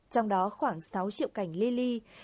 trong đó khoảng sáu triệu cảnh li li